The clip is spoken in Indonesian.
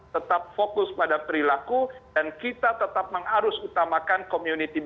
tetap fokus pada perilaku dan kita tetap mengarus utamakan community